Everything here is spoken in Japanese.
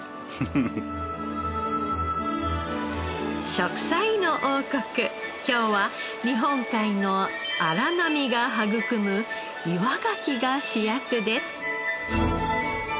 『食彩の王国』今日は日本海の荒波が育む岩ガキが主役です。